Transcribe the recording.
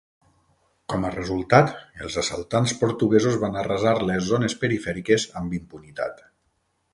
Com a resultat, els assaltants portuguesos van arrasar les zones perifèriques amb impunitat.